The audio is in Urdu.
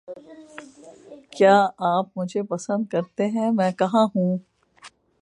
کیا آپ مجھے پسند کرتے ہیں؟ میں کہاں ہوں؟